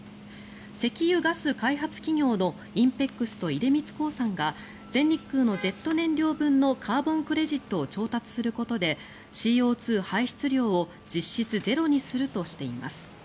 石油・ガス開発企業のＩＮＰＥＸと出光興産が全日空のジェット燃料分のカーボンクレジットを調達することでＣＯ２排出量を実質ゼロにするとしています。